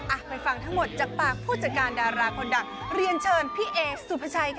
ไปฟังทั้งหมดจากปากผู้จัดการดาราคนดังเรียนเชิญพี่เอสุภาชัยค่ะ